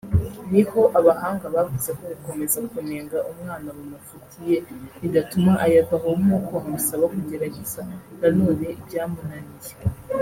niho abahanga bavuze ko gukomeza kunenga umwana mu mafuti ye bidatuma ayavaho nkuko wamusaba kugerageza nanone ibyamunaniye